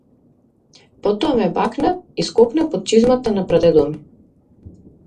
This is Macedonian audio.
Потоа ме бакна и скокна под чизмата на прадедо ми.